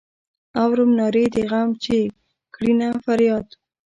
اورم نارې د غم چې کړینه فریاد.